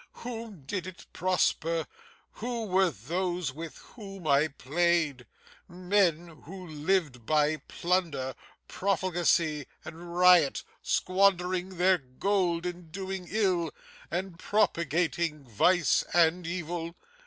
Whom did it prosper? Who were those with whom I played? Men who lived by plunder, profligacy, and riot; squandering their gold in doing ill, and propagating vice and evil.